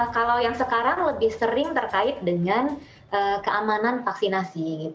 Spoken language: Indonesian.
kalau yang sekarang lebih sering terkait dengan keamanan vaksinasi